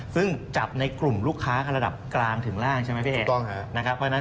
ซึ่งจับในกลุ่มลูกค้าระดับกลางถึงล่างใช่ไหมพี่เอกนะครับ